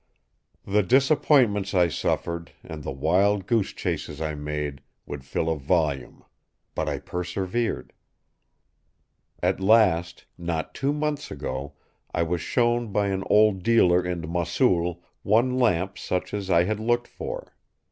"The disappointments I suffered, and the wild goose chases I made, would fill a volume; but I persevered. At last, not two months ago, I was shown by an old dealer in Mossul one lamp such as I had looked for.